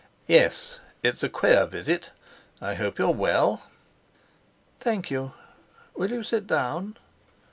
"Yes, it's a queer visit! I hope you're well." "Thank you. Will you sit down?"